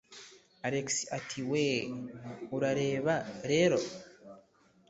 Alex ati we ... urareba rero ...